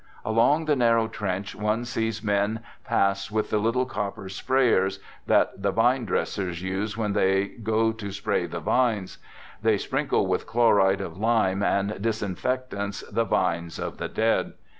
Along the narrow trench one sees men pass with the little copper sprayers that the vine dressers use when they go to spray the vines; they sprinkle with chloride of lime and disinfectants the vines of the dead.